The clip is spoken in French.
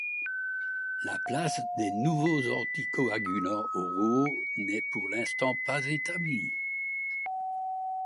La place des nouveaux anticoagulants oraux n'est, pour l'instant, pas établie.